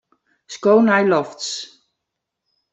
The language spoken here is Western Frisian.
Sko nei lofts.